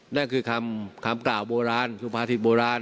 นั่นคือคำกล่าวโบราณสุภาษิตโบราณ